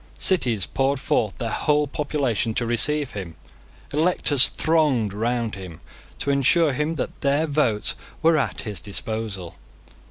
Cities poured forth their whole population to receive him. Electors thronged round him, to assure him that their votes were at his disposal.